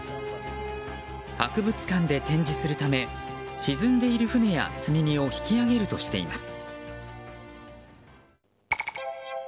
博物館で展示するため沈んでいる船や積み荷を引き揚げるとしています。